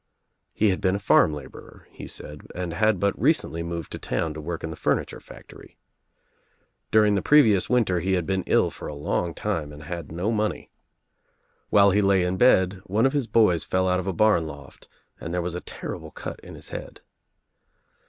He had been a farm laborer, he said, and had but recently moved to town to work in the furniture factory. Dur ing the previous winter he had been ill for a long time and had no money. While he lay in bed one of his UNLIGHTED LAMPS 79 ■ I boys fell out of a barn loft and tbere was a terrible cut in his head.